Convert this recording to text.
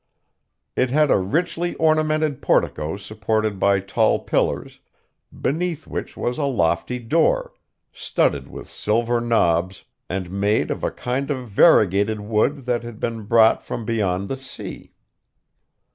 It had a richly ornamented portico supported by tall pillars, beneath which was a lofty door, studded with silver knobs, and made of a kind of variegated wood that had been brought from beyond the sea.